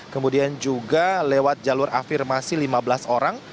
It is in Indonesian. kemudian juga lewat jalur afirmasi lima belas orang